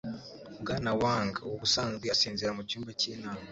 Bwana Wang ubusanzwe asinzira mucyumba cy'inama.